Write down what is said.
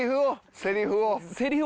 セリフを。